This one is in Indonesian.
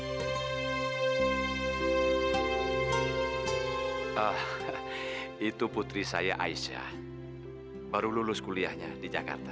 hai ah itu putri saya aisya baru lulus kuliahnya di jakarta